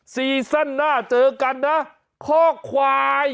ซีซั่นหน้าเจอกันนะข้อควาย